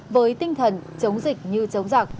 với tinh thần chống dịch như chống giặc